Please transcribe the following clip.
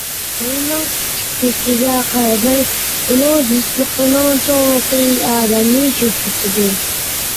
بويىنىڭ كىچىكلىكىگە قارىماي، ئۇنىڭ زىچلىقىنىڭ چوڭلۇقى ئادەمنى چۆچۈتىدۇ.